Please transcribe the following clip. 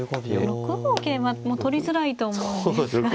６五桂馬も取りづらいと思うんですが。